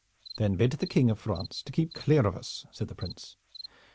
"Then bid the King of France keep clear of us," said the Prince.